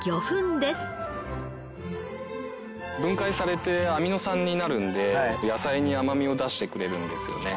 分解されてアミノ酸になるので野菜に甘みを出してくれるんですよね。